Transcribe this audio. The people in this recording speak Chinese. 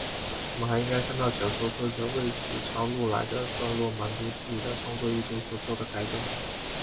我们还应该看到小说作者为使抄录来的段落满足自己的创作意图所作的改动。